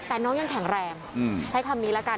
แต่น้องยังแข็งแรงใช้คำนี้ละกัน